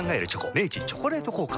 明治「チョコレート効果」